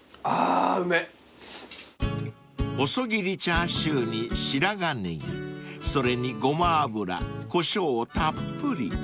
［細切りチャーシューに白髪ねぎそれにごま油こしょうをたっぷり］